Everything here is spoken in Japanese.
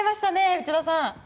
内田さん！